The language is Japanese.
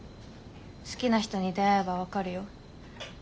「好きな人に出会えば分かるよ」